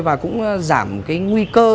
và cũng giảm nguy cơ